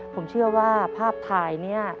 ผมเชื่อว่าภาพถ่ายเนี่ย